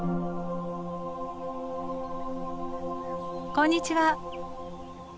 こんにちは。